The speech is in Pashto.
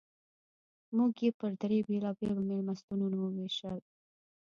موږ یې پر درې بېلابېلو مېلمستونونو ووېشل.